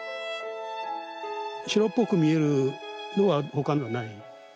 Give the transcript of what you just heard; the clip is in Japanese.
白っぽく見えるのはほかのはない。